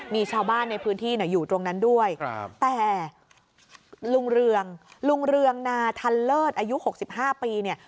มีชาวบ้านในพื้นที่อยู่ตรงนั้นด้วยแต่ลุงเรืองลุงเรืองนาทันเลิศอายุ๖๕ปีเนี่ย